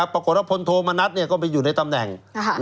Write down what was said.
ปรากฏว่าพลโทมณัฐก็ไปอยู่ในตำแหน่ง